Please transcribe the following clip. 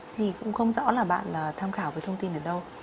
thì cũng không rõ là bạn tham khảo cái thông tin ở đâu